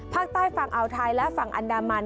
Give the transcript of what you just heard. ภาคใต้ฝั่งอ่าวไทยและฝั่งอันดามัน